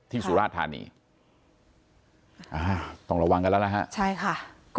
สุราชธานีอ่าต้องระวังกันแล้วนะฮะใช่ค่ะ